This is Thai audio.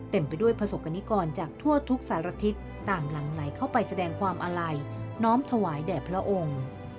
ไปด้วยประสบกรณิกรจากทั่วทุกสารทิศต่างหลังไหลเข้าไปแสดงความอาลัยน้อมถวายแด่พระองค์